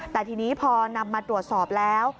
แต่ทีนี้พอนำมาตรวจสอบแล้ว